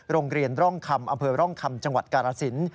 โรงเรียนร่องคำอำเภอร่องคำจังหวัดกาลสิน